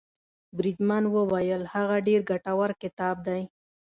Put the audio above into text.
بریدمن وویل هغه ډېر ګټور کتاب دی.